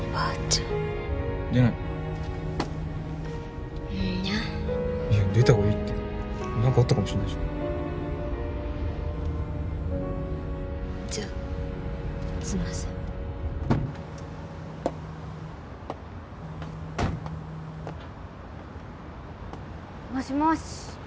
んにゃいや出た方がいいって何かあったかもしれないじゃんじゃすんませんもしもし？